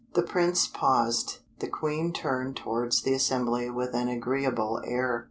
The Prince paused: the Queen turned towards the assembly with an agreeable air.